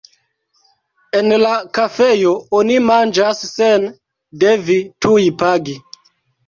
En la kafejo oni manĝas sen devi tuj pagi.